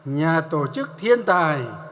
nhà tổ chức thiên tài